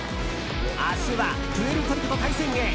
明日はプエルトリコと対戦へ。